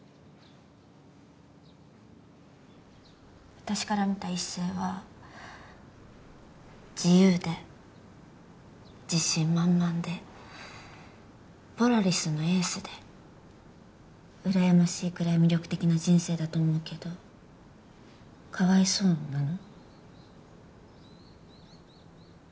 私から見た一星は自由で自信満々でポラリスのエースでうらやましいくらい魅力的な人生だと思うけどかわいそうなの？